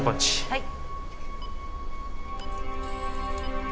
はい。